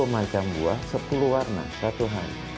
sepuluh macam buah sepuluh warna satu hanya